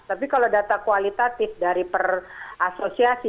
tapi kalau data kualitatif dari per asosiasi